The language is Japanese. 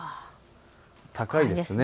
高いですね。